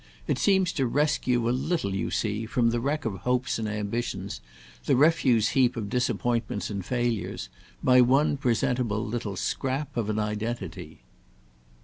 It seems to rescue a little, you see, from the wreck of hopes and ambitions, the refuse heap of disappointments and failures, my one presentable little scrap of an identity."